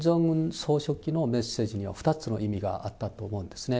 総書記のメッセージには、２つの意味があったと思うんですね。